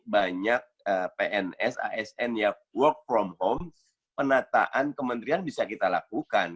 banyak pns asn yang work from home penataan kementerian bisa kita lakukan